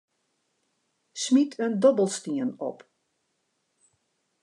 Smyt in dobbelstien op.